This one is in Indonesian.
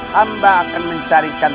hamba akan mencarikan